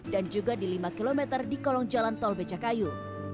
dan juga di lima km di kolong jalan tol becakayu